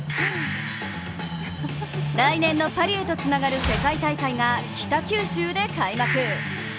来年のパリへとつながる世界大会が北九州で開幕。